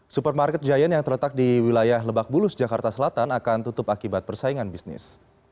supermarket giant yang terletak di wilayah lebak bulus jakarta selatan akan tutup akibat persaingan bisnis